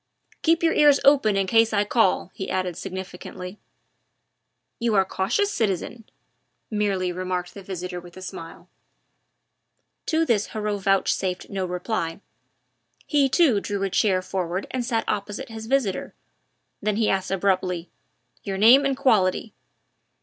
"Keep your ears open in case I call," he added significantly. "You are cautious, citizen," merely remarked the visitor with a smile. To this Heriot vouchsafed no reply. He, too, drew a chair forward and sat opposite his visitor, then he asked abruptly: "Your name and quality?"